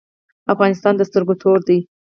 افغانستان د سترګو تور دی